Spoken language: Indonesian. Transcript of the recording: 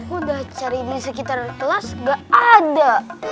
udah cari di sekitar kelas gak ada